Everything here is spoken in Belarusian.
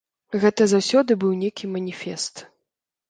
Гэта заўсёды быў нейкі маніфест.